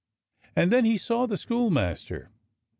And then he saw the schoolmaster.